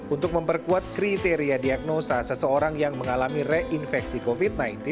untuk memperkuat kriteria diagnosa seseorang yang mengalami reinfeksi covid sembilan belas